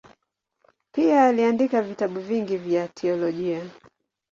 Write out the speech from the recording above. Pia aliandika vitabu vingi vya teolojia.